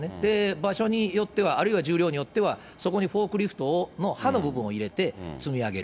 場所によっては、あるいは重量によっては、そこにフォークリフトの刃の部分を入れて積み上げる。